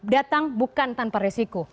datang bukan tanpa resiko